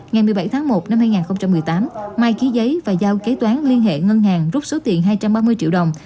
ngày một mươi bảy tháng một năm hai nghìn một mươi tám mai ký giấy và giao kế toán liên hệ ngân hàng rút số tiền hai trăm ba mươi triệu đồng